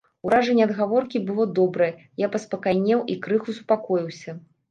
Уражанне ад гаворкі было добрае, я паспакайнеў і крыху супакоіўся.